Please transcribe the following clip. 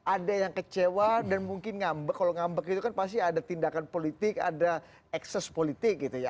ada yang kecewa dan mungkin ngambek kalau ngambek itu kan pasti ada tindakan politik ada ekses politik gitu ya